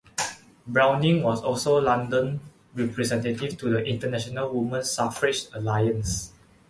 Browning was also London representative to the International Woman Suffrage Alliance.